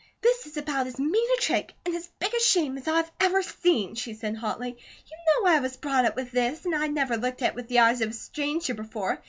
"This is about as mean a trick, and as big a shame as I've ever seen," she said, hotly. "You know I was brought up with this, and I never looked at it with the eyes of a stranger before.